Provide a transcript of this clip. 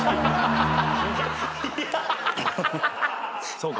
そうか。